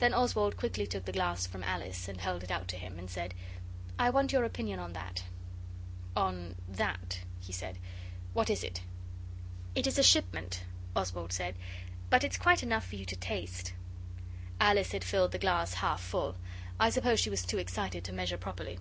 Then Oswald quickly took the glass from Alice, and held it out to him, and said, 'I want your opinion on that.' 'On that,' he said. 'What is it?' 'It is a shipment,' Oswald said; 'but it's quite enough for you to taste.' Alice had filled the glass half full; I suppose she was too excited to measure properly.